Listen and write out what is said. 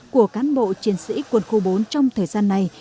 của cán bộ chiến sĩ quân khu bốn trong thời gian này